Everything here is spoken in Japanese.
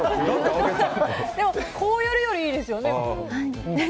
でも、こうやるよりいいですよね。